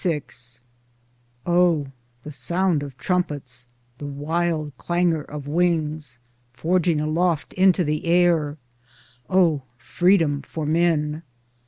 LXVI O the sound of trumpets, the wild clangor of wings ! forging aloft into the air ! O Freedom for men